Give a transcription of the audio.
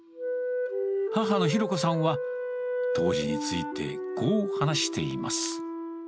母のヒロ子さんは、当時について、こう話しています。